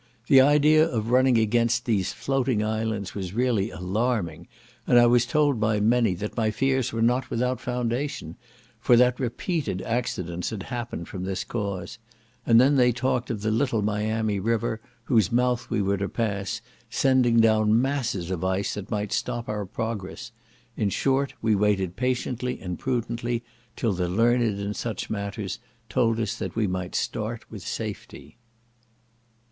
The idea of running against these floating islands was really alarming, and I was told by many, that my fears were not without foundation, for that repeated accidents had happened from this cause; and then they talked of the little Miami river, whose mouth we were to pass, sending down masses of ice that might stop our progress; in short, we waited patiently and prudently, till the learned in such matters told us that we might start with safety.